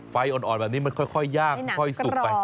ไฟอ่อนแบบนี้มันค่อยย่างค่อยสุกไป